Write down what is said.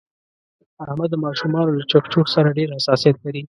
احمد د ماشومانو له چغ چوغ سره ډېر حساسیت لري.